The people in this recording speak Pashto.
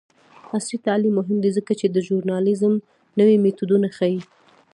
عصري تعلیم مهم دی ځکه چې د ژورنالیزم نوې میتودونه ښيي.